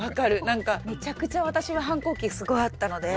なんかめちゃくちゃ私は反抗期すごいあったので。